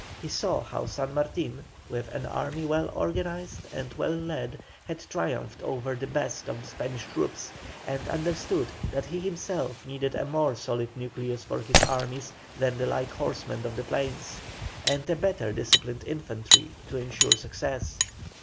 He saw how San Martin, with an army well organized and well led, had triumphed over the best of the Spanish troops, and understood that he himself needed a more solid nucleus for his armies than the light horsemen of the plains, and a better disciplined infantry, to ensure success.